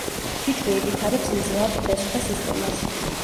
ფიჭვი ივითარებს მძლავრ ფესვთა სისტემას.